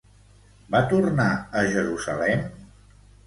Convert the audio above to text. Va tornar a Jerusalem?